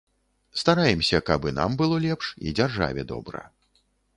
Стараемся, каб і нам было лепш, і дзяржаве добра.